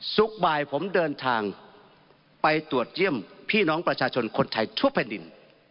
สุขบ่ายผมเดินทางไปตรวจเยี่ยมพี่น้องประชาชนคนไทยทั่วแผ่นดิน